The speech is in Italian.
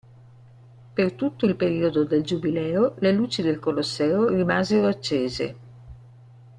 Per tutto il periodo del giubileo le luci del Colosseo rimasero accese.